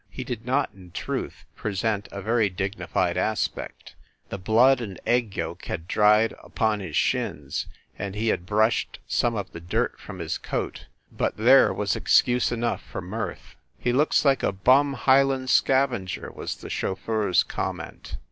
He did not, in truth, present a very dignified aspect. The blood and egg yolk had dried upon his shins, and he had brushed some of the dirt from his coat but there was excuse enough for mirth. "He looks like a bum Highland scavenger," was the chauffeur s comment.